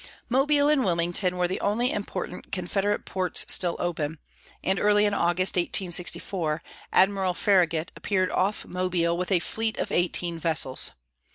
Mobile and Wilmington were the only important Confederate ports still open, and early in August, 1864, Admiral Farragut appeared off Mobile with a fleet of eighteen vessels.